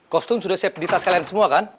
kostum sudah siap di tas kalian semua kan